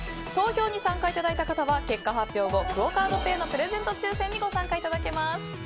投票に参加いただいた方は結果発表後クオ・カードペイのプレゼント抽選にご参加いただけます。